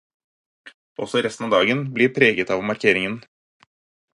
Også resten av dagen blir preget av markeringen.